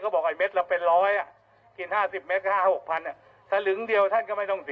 ผมจัดหามาให้นะครับ